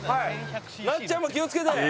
なっちゃんも気を付けて！